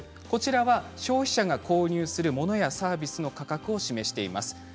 こちらは消費者が購入する物やサービスの価格を示しています。